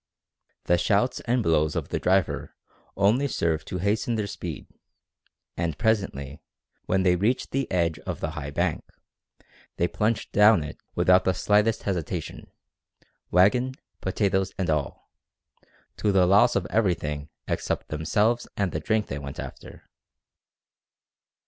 The shouts and blows of the driver only served to hasten their speed, and presently, when they reached the edge of the high bank, they plunged down it without the slightest hesitation, wagon, potatoes, and all, to the loss of everything except themselves and the drink they went after!